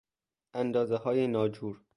اندازههای ناجور